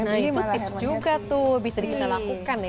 nah itu tips juga tuh bisa kita lakukan ya